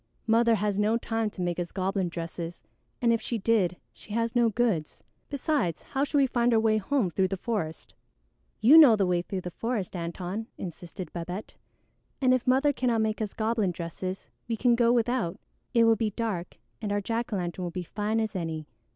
Mother has no time to make us goblin dresses, and if she did, she has no goods; besides, how should we find our way home through the forest?" "You know the way through the forest, Antone," insisted Babette, "and if Mother cannot make us goblin dresses, we can go without. It will be dark and our jack o' lantern will be as fine as any.